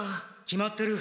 決まってる。